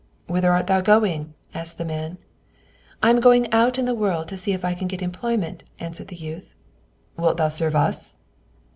"Whither art thou going?" asked the man. "I am going out in the world to see if I can get employment," answered the youth. "Wilt thou serve us?"